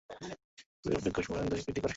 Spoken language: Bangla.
এই পদ্ধতি উদ্ভিদের কোষ বিভাজন ও দৈহিক বৃদ্ধি করে।